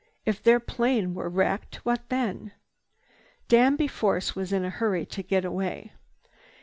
If their plane were wrecked, what then? Danby Force was in a hurry to get away.